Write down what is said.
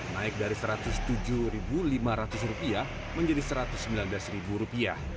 naik dari rp satu ratus tujuh lima ratus menjadi rp satu ratus sembilan belas